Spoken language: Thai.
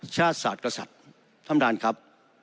ชาติศาสตร์กษัตริย์ท่านประธานครับ